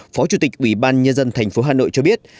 phó chủ tịch ủy ban nhân dân thành phố hà nội cho biết